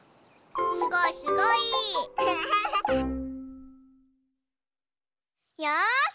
すごいすごい！よし！